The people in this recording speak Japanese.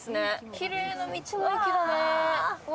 きれいな道の駅だね。